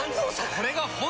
これが本当の。